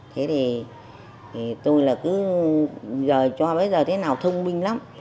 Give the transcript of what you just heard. thế thì tôi là cứ giờ cho bây giờ thế nào thông minh lắm